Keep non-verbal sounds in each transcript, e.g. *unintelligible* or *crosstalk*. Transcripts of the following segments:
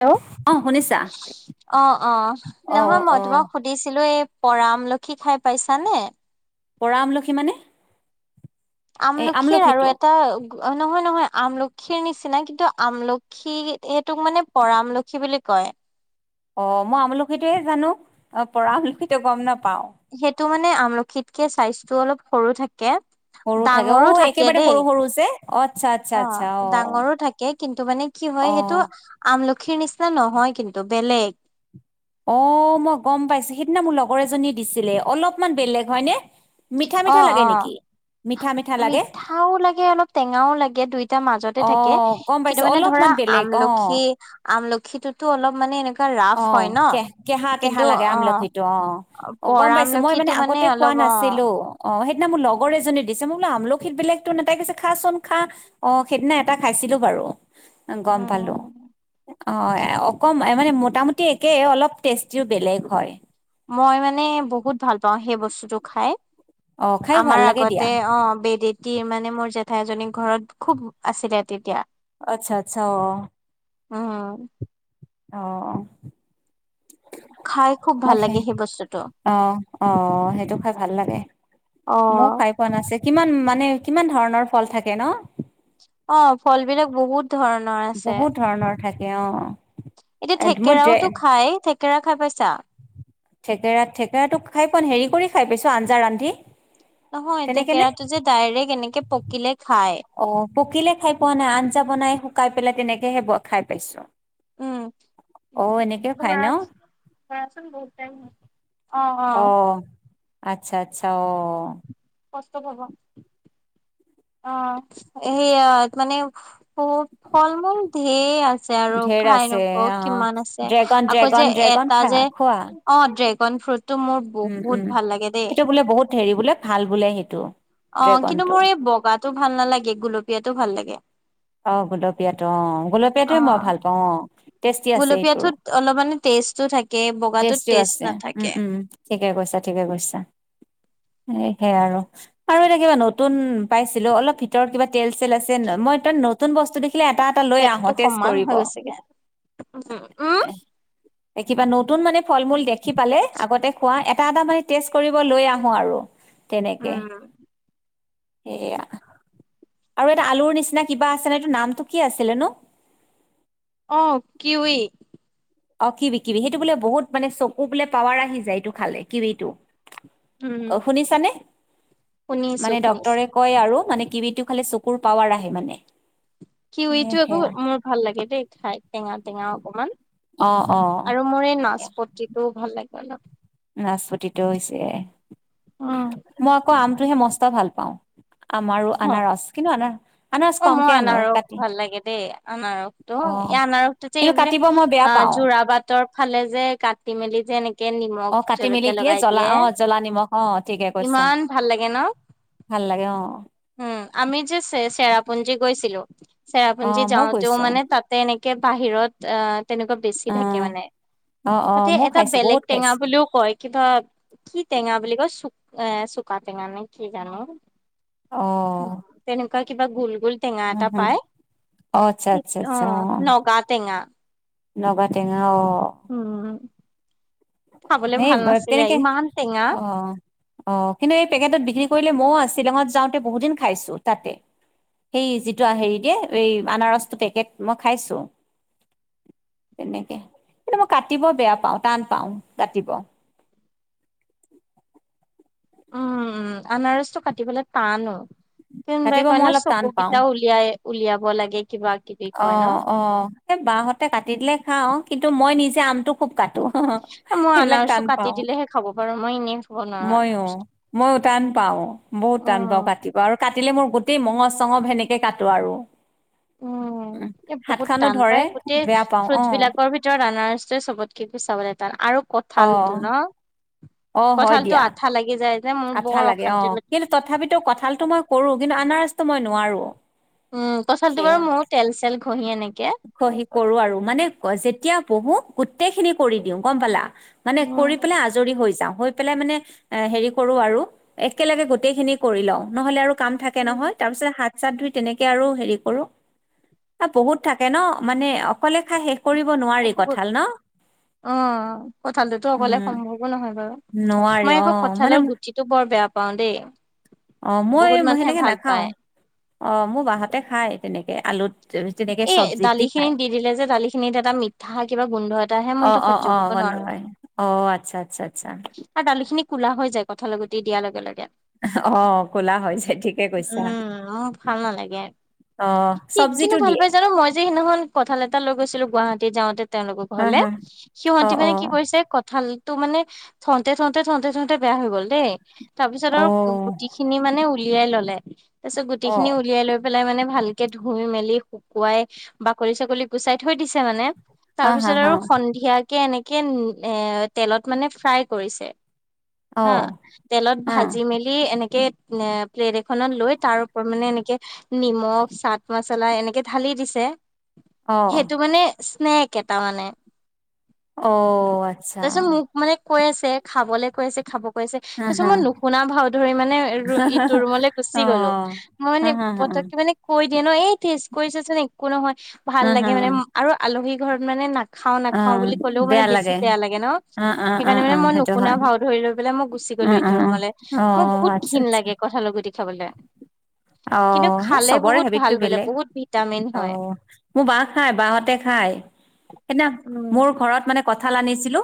Hello অ শুনিছা অ অ অ নহয় মই অ তোমাক সুধিছিলো এই। পৰা আমলখি খাই পাইছানে? পৰা আমলখী মানে? এই আমলখিৰ আৰু আমলখিটো এটা নহয় নহয় আমলখিৰ নিচিনা কিন্তু আমলখি সেইটোক মানে পৰা আমলখি বুলি কয়। অ' মই আমলখিটোহে জানো অ' পৰা আমলখিটো গম নাপাওঁ। সেইটো মানে আমলখিতকে চাইজটো অলপ সৰু থাকে। সৰু থাকে অ ডাঙৰো থাকে একেবাৰে দেই সৰু সৰু যে অ আচ্ছা আচ্ছা অ' আচ্ছা ডাঙৰো থাকে কিন্তু মানে কি হয় অ সেইটো আমলখিৰ নিচিনা নহয় কিন্তু বেলেগ। অ' মই গম পাইছোঁ সেইদিনা মোৰ লগৰ এজনীয়ে দিছিলে অলপমান বেলেগ হয়নে। মিঠা-মিঠা অ', লাগে অ'। নেকি? মিঠা মিঠা লাগে মিঠাও লাগে অলপ টেঙাও লাগে দুইটা মাজতে অ থাকে গম কিন্তু পাইছো মানে ধৰা অলপমান বেলেগ অ আমলখি আমলখিটোতো অলপ মানে এনেকুৱা ৰাফ অ হয় ন কেহ কেহা কেহা কিন্তু লাগে অ আমলখি টো অ অ গম পৰা পাইছো মই আমলখিটো মানে আগতে খোৱা অলপ নাই। অ নাছিলো। অ সেইদিনা মোৰ লগৰ এজনে দিছে মই বোলো আমলখি বেলেগতো লাগিছে তাকে খা চুন খা অ সেই দিনা এটা খাইছো। দেখিলো বাৰো গম পালোঁ উম অ অ অকমা মানে, মোটামুটি একেই অলপ টেষ্টিও বেলেগ হয়। মই মানে বহুত ভাল পাওঁ সেই বস্তুটো খাই অ খাই ভাল আমাৰ লাগে দিয়া আগতে অ *unintelligible* কি মানে মোৰ জেঠাই এজনী ঘৰত খুব আছিলে তেতিয়া। আচ্ছা আচ্ছা অ, অ অ, অ খাই খুব ভাল লাগে সেই বস্তুটো আহ আহ সেইটো খাই ভাল লাগে। অ ময়ো খাই পোৱা নাছে কিমান মানে কিমান ধৰণৰ ফল থাকে ন। অ ফল বিলাক বহুত ধৰণৰ আছে। বহুত ধৰণৰ থাকে অ, এতিয়া মই ড্ৰে থেকেৰাওতো খাই থেকেৰা খাই পাইছা। থেকেৰা থেকেৰাটো খাই পোৱা ন হেৰি কৰি খাই পাইছো আঞ্জা ৰান্ধি। নহয় তেনেকে নে থেকেৰাটো যে ডাইৰেক্ট এনেকে পকিলে খায়। অ পকিলে খাই পোৱা নাই আঞ্জা বনাই শুকাই পেলাই তেনেকেহে খাই পাইছো। উম, অ এনেকেও খাই ন *unintelligible* অ', অ', আচ্ছা-আচ্ছা অ, কষ্ট পাব। অ, সেইয়া মানে *unintelligible* ফল-মূল ধেৰ আছ ছে আৰু ধেৰ খাই আছে নকও অ কিমান আছে ড্ৰেগন আকৌ যে ড্ৰেগন ড্ৰেগন এটা খা যে অ, ড্ৰে উম-উম দেই। সেইটো বোলে বহুত হেৰি বোলে ভাল বোলে সেইটো। অ, কিন্তু ড্ৰেগনটো মোৰ এই বগাটো ভাল নালাগে গুলপীয়াটো ভাল লাগে। অ, গোলপীয়াটো অ, গোলপীয়াটোৱে মই অ'। ভাল পাওঁ অ, টেষ্টি আছে এইটোৰ। গুলপীয়াটোত অলপ মানে টেষ্টটো থাকে বগাটোত টেষ্টিও টেষ্ট আছে নাথাকে। উম-উম ঠিকে কৈছা-ঠিকে কৈছা। এ সে আৰু -আৰু এটা কিবা নতুন পাইছিলোঁ অলপ ভিতৰত কিবা তেল-চেল আছে মই *unintelligible* নতুন বস্তু দেখি লে এটা-এটা লৈ আহ পেটটো তেচ সমান কৰিব। হৈ গৈছেগে উম, উম। এ কিবা নতুন মানে ফল-মূল দেখি পালে আগতে খোৱা এত এটা- এটা মানে টেষ্ট কৰিব লৈ আহো আৰু তেনেকে উম। সেয়া আৰু এটা আলুৰ নিচিনা কিবা আছে ন এইটো নামটো কি আছিলে নো? অঁ কিৱি। অ কিৱি কিৱি সেইটো বোলে বহুত মানে চকু বোলে পাৱাৰ আহি যায় এইটো খালে কিৱিটো। উম, অ শুনিছানে, শুনিছো মানে শুনিছো। ডক্তৰে কয় আৰু মানে কিৱিটো খালে চকুৰ পাৱাৰ আহে মানে। এ কিৱিটো আকৌ সেয়া মোৰ ভাল লাগে দেই খাই টেঙা-টেঙা অকমান। অ অ আৰু মোৰ এই নাচপতিটোও ভাল লাগে অলপ। নাচপতিটো হৈছে উম, মই আকৌ আমটোহে মস্ত ভাল পাওঁ। আম আৰু হ'। আনাৰাচ কিন্তু আনাৰ আনাৰস অ, মোৰ কমকে আনো আাৰস কাটি ভাল লাগে দেই আনাৰসটো অ এই আনাৰসটো যে কিন্তু এইপিনে কাটিব মই বেয়া আ পাওঁ যোৰাবাটৰ ফালে যে কাটি মেলি যে এনেক অ, কাটি মেলি দিয়ে জ্বলা অ, জ্বলা নিমখ অ, ঠিকে কৈছা। ইমান ভাল লাগে ন ভাল লাগে অঁ। উম, আমি যে চে চেৰাপুঞ্জী গৈছিলো অ চেৰাপুঞ্জী মইও যাওঁতেও গৈছো মানে তাতে এনে বাহিৰত অ তেনেকুৱা বেছি অ থাকে মানে। অ অ তাতে মইও এটা খাইছো বেলেগ বহুত টেঙা খাইছো বুলিও কয় কিবা কি টেঙা বুলি কয় চু এহ চোকা টেঙা নে কি জানো? অঁ। আৰু কিবা গোল গোল টেঙা এটা পাই, অ আচ্ছা আচ্ছা অণ আচ্ছা অ নগা টেঙা। নগা টেঙা অ উম খাবলে এই ভাল নাছিলে তেনেকে ইমান টে অ, অ কিন্তু এই পেকেটত বিক্ৰী কৰিলে মইও আছ শ্বিলঙত যাওঁতে বহুত দিন খাইছোঁ তাতে সেই যিটো হেৰি দিয়ে এই আনাৰসটো পেকেট মই খাইছোঁ। তেনেকে কিন্তু মই কাটিব বেয়া পাও টান পাও কাটিব উম উম আনাৰসটো কাটিবলে টানো। কোনোবাই কাটিব কয় মই ন অলপ চকু টান পাওঁ কেইটা উলিয়াই উলিয়াব লাগে। কিবা কিবি অ কয় ন অ সে বা হঁতে কাটি দিলে খাওঁ কিন্তু মই নিজে আমটো খুব কাটি মই সেইবিলাক আনাৰসটো টান কাটি পাও, দিলেহে খাব পাৰো মই এনেই খাব নোৱাৰো ময়ো আনাৰস ময়ো টান পাও বহুত টান পাও উম কাটিব আৰু কাটিলে মোৰ গোটেই মঙজ চঙহ সেনেকে কাটো আৰু। উম এ হাত বহুত খানো টান পাই ধৰে গোটেই বেয়া পাওঁ অ ফ্ৰুটছবিলাকৰ ভিতৰত অনাৰস চবতকে চাবলে তান আৰু অ কঁঠালটো ন অ হয় কঁঠালতটো দিয়া আঠা লাগি যায়। যে মোৰ আঠা বৰ লাগে অ অশান্তি কিন্তু তথাপিতো কঁঠালটো মই কৰো কিন্তু আনাৰসটো মই নোৱাৰো। উম পাছত বাৰু মোৰো তেল চেল ঘঁহি এনেকে ঘঁহি কৰো আৰু মানে যেতিয়া বহো গোটেইখিনি কৰি দিওঁ গম পালা। মানে কৰি পেলাই উম। আজৰি হৈ যাও। হৈ পেলাই মানে হেৰি কৰো আৰু একেলগে গোটেইখিনি কৰি লও নহলে আৰু কাম থাকে নহয় তাৰপিছত হাত চাত ধুই তেনেকে আৰু হে কৰো, বহুত থাকে ন মানে অকলে খাই শেষ কৰিব নোৱাৰি *unintelligible* কঁঠাল ন অঁ কঁঠালতোটো অকলে উম সম্ভৱো নহয় বাৰু। নোৱাৰি মই অ আকৌ মানে কঁঠালৰ গুটিটো বৰ বেয়া পাওঁ দেই। অ মই বহুত মানুহে সেনেকে ভাল নাখাও পায়। অ মোৰ বাহঁতে খাই তেনেকে আলুত তেনেকে এ চব্জিত খায় দালিখিনিত দি দিলে যে দালিখিনিত এটা মিঠা কিবা গোন্ধ এটা আহে মই অ এইটো অ সহ্য কৰিব নোৱাৰো। *unintelligible* অ আচ্ছা আচ্ছা আচ্ছা। কোলা হৈ যায় কঁঠালৰ গুটি দিয়াৰ লগে লগে। অ কোলা হৈ হৈছে ঠিকে কৈছা। উম, মোৰ ভাল অ চব্জিটো ত দিয়ে। জানো মই যে সদিনাখন কঁঠাল এটা লৈ গৈছিলো গুৱাহাটী যাওঁতে তেওঁলোকৰ হা ঘৰলে, হা সিহঁতি অ', মানে কি অ', কৰিছে কঁঠাল তো মানে থওঁতে থওঁতে থওঁতে থওঁতে বেয়া হৈ গ'ল দেই। তাৰ পিছত আৰু অ', গুটি খিনি মানে উলিয়াই ল'লে। তাৰপিছত গুটি খিনি অ', উলিয়াই লৈ পেলাই মানে ভালকে ধুই মেলি শুকুৱাই বাকলি চাকলি গুচাই থৈ দিছে মানে। হা তাৰ হা পিছত হা আৰু সন্ধিয়াকে এনেকে এ তেলত মানে ফ্ৰাই কৰিছে। হা অ', তেলত হা ভাজি মেলি এনেক এ প্লেট এখনত লৈ তাৰ ওপৰত মানে এনেকে নিমখ চাট মছলা এনেকে ঢালি দিছে, অ', সেইটো মানে স্নেক এটা মানে। অ, আচ্ছা। তাৰপিছত মোক মানে কৈ আছে খাবলৈ কৈ আছে খাব কৈছে, হা তাৰপিছত হা মই নুশুনা ভাও ধৰি মানে অ', ইটো ৰুমলৈ গুচি গলো মই হা মানে হা হা তাকে মানে কৈ ন এই টেষ্ট কৰিছাচোন একো নহয় ভাল হা লাগে হা মানে আৰু আলহী ঘৰত মানে না খাওঁ নাখাওঁ বুলি অ', ক'লেও মানে বেয়া বেছি বেয়া লাগে ন? অ', অ', সেইকাৰণে অ', মানে অ', মই সেইটো নুশুনা হয় ভাও ধৰিলো। লাই মই গুচি গলো অ', ইটো অ', অ', ৰুমলৈ। অ মোৰ বহুত আচ্ছা ঘীণ আচ্ছা লাগে কঠালৰ গুটি খাবলৈ। অ', সেই চবৰে হেবিতটো বেলেগ। বহুত ভিটামিন হয় অ', মোৰ বাই খাই, বা সতে খাই, সেইদিনা উম মোৰ ঘৰত মানে কঠাল আনিছিলো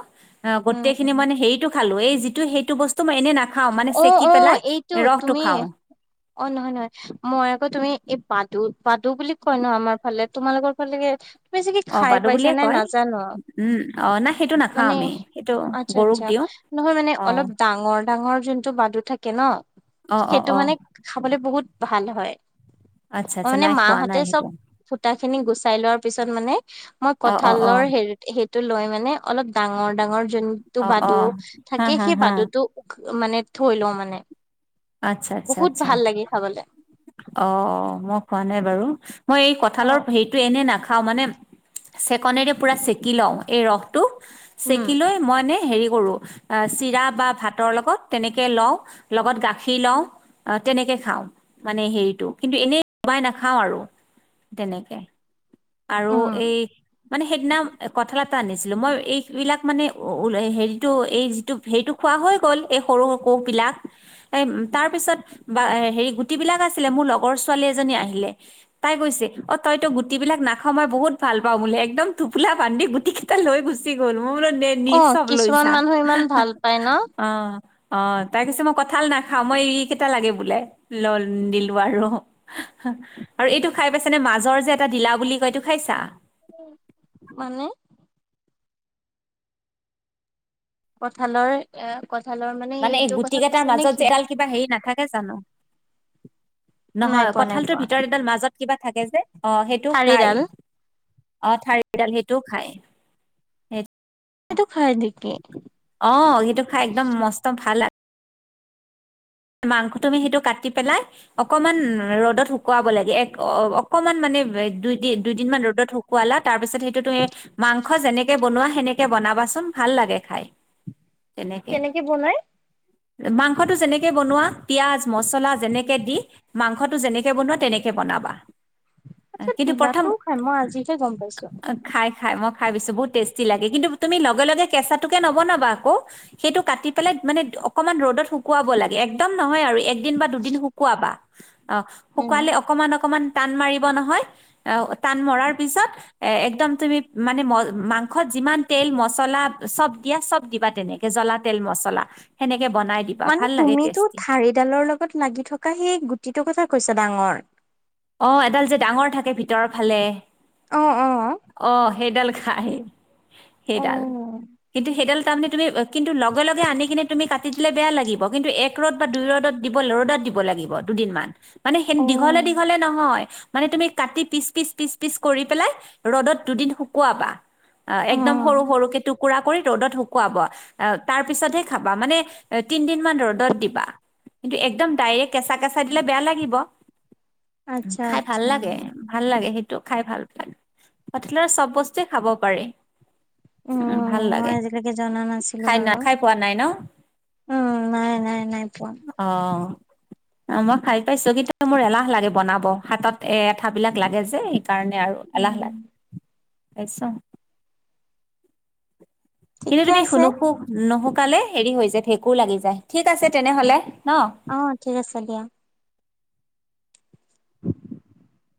অ উম গোটেই খিনি উম মানে হেৰিটো খালো এই যিটো সেইটো বস্তু মই এনে না অ', অ', এইটো তুমি খাওঁ অ', নহয়, নহয়, মই আকৌ তুমি এই পাতো পাদু বুলি কয় ন আমাৰ ফালে! তোমালোকৰ ফালে চাগে অ' খাই বাদু পাইছা বুলিয়ে নে কয় নাজানো। উম অ' নাই সেইটো নাখাওঁ মানে, আমি সেইটো আচ্ছা গৰুক আচ্ছা। দিওঁ নহয় মানে অলপ অ' ডাঙৰ ডাঙৰ যোনটো বাদু থাকে ন? অ' অ' সেইটো অ' মানে খাবলে বহুত ভাল হয়। আচ্ছা মই আচ্ছা মানে নাই মা খোৱা সতে নাই চব সেইটো ফুটা খিনি গুচাই লোৱাৰ পিছত মানে মই অ' অ' কঠালৰ অ' হেৰি সেইটো লৈ মানে অলপ ডাঙৰ ডাঙৰ যোনটো অ' বাদু অ' হা থাকে হা সেই হা বাদুটো মানে থৈ লওঁ মানে। আচ্ছা আচ্ছা বহুত আচ্ছা। ভাল লাগে খাবলে অ', মই খোৱা নাই বাৰু। মই এই অ কঠালৰ হেৰিটো এনে নাখাও মানে চেকনেৰে পুৰা চেকি লওঁ, এই ৰসটো। উম চেকি লৈ মই নে হেৰি কৰো, চিৰা বা ভাতৰ লগত তেনেকে লওঁ লগত গাখি দি লওঁ, আহ তেনেকে খাওঁ মানে হেৰিতটো। কিন্তু এনেই *unintelligible* নাখাওঁ আৰু। তেনেকে, আৰু উম এই। মানে সেইদিনা কঠল এটা আনিছিলো মই এইবিলাক মানে হেৰিটো এই যিটো হেৰিটো খোৱা হৈ গল সৰু কুহ বিলাক, তাৰ পিছত গুটি বিলাক আছিলে মোৰ লগৰ ছোৱালী এজনী আহিলে, তাই কৈছে অ', তইটো গুট বিলাক না অ', মই বহুত ভাল পাওঁ বোলো, একদম টোপোলা বান্ধি গুটি কেইটা লৈ গুচি গ'ল। মোৰ *unintelligible* নে, নি, অ', চব লৈছা কিছুমান যা, মানুহ ইমান ভাল পায় ন অ। অ', তাই কৈছে মই কঠাল নাখাও। মই এই কেইটা লাগে বোলে, দিলো আৰু। আৰু এইটো খাই পাইছ নে মাজৰ যে এটা দিলা বুলি কয় এইটো খাইছা? মানে? কঠালৰ এ *unintelligible* মানে এই এইটো গুটি কথা কেইটাৰ কৈছা নে মাজত কি? যে এডাল কিবা হেৰি নাথাকে জানো! নাই নহয় পোৱা নাই কঠালটোৰ পোৱা ভিতৰত এডাল মাজত কিবা থাকে যে, অ' সেইটো খাই। ঠাৰিডাল অ থঠাৰিডাল সেইটোও খায় সেই সেইটো খাই নেকি? অ', সেইটো খাই একদম মস্ত ভাল মাংস তমি সেইটো কাটি পেলাই অকমান ৰ'দত শুকোৱাব লাগে অ অকনমান মানে দুইদিন দুইদিন মান ৰ'দত শুকুৱালা তাৰ পিছত সেইটো তুমি মাংস যেনেকে বনোৱা সেনেকে বনাবাচোন ভাল লাগে খাই। তেনেকে কেনেকে বনাই? মাংসটো যেনেকে কেনেকে বনোৱা, পিয়াজ মচলা যেনেকে দি মাংসটো যেনেকে বনোৱা তেনেকে বনাবা। আচ্ছা কিন্তু প্ৰথম তিলাটোও খাই মই আজিহে গম পাইছো খাই খাই মই। খাই বেছি বহুত টেষ্টি লাগে। কিন্তু তুমি লগে লগে কেঁচাটোকে নবনাবা আকৌ, সেইটো কাটি পেলাই মানে, অকণমান ৰ'দত শুকুৱাব লাগে। একদম নহয় আৰু একদিন বা দুদিন শুকুৱাবা, অ' উম। শুকুৱালে অকণমান অকণমান, টান মাৰিব নহয়, টান মৰাৰ পিছত একদম তুমি মানে, মা মাংসত যিমান তেল মছলা চব দিয়া। চব দিবা তেনেকে জ্বলা তেল মছলা, হেনেকে। ক বনাই দিবা ভাল লাগে যিতো টেষ্টি ঠাৰিডালৰ লগত লাগি থকা, সেই গুটিটোৰ কথা কৈছা ডাঙৰ? অ', এডাল যে ডাঙৰ থাকে ভিতৰৰ ফালে অ' অ'। সেইডাল খায়, সেইডাল অ', অ', কিন্তু সেইডাল। তাৰমানে তুমি কিন্তু লগে লগে আনি কিনে তুমি কাটি দিলে বেয়া লাগিব। কিন্তু এক ৰ'দ বা দুই ৰ'দত দিব ৰ'দত *unintelligible* দিব লাগিব দুদিনমান, মানে দীঘলে দীঘলে। হ'লে নহয় মানে তুমি কাটি পিচ পিচ পিচ পিচ কৰি পেলাই ৰ'দত দুদিন শুকুৱাবা। অ' একদম সৰু সৰু কিন্তু, টুকুৰা কৰি ৰ'দত শুকুৱাবা তাৰ পিছতহে খাবা মানে তিন দিন মান ৰ'দত দিবা। কিন্তু, একদম ডাইৰেক্ট কেঁচা কেঁচা দিলে বেয়া লাগিব। আচ্ছা খাই ভাল আচ্ছা। লাগে, ভাল লাগে, সেইটো। খাই ভাল পাই। হোটেলৰ চ'ব বস্তুৱে খাব পাৰি। উম, ভাল মই লাগে আজিলৈকে জনা নাছিলো খাই ন বাৰু খাই পোৱা নাই ন। উম, নাই নাই নাই পোৱা। অ' মই খাই পাইছো। কিন্তু মোৰ এলাহ লাগে বনাব হাতত এ এঠ বিলাক লাগে যে হে। কাৰণে আৰু এলাহ উম, লাগে। পাইছোঁ কিন্তু ঠিকে তুমি আছে শুনুশু নুশুকালে হেৰি হৈ যায়, ভেঁকুৰ লাগি যায় ঠিক আছে তেনেহ'লে। ন অ' ঠিক আছে দিয়া। *unintelligible*